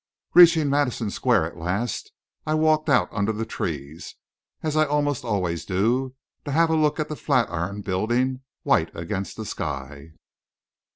Reaching Madison Square, at last, I walked out under the trees, as I almost always do, to have a look at the Flatiron Building, white against the sky.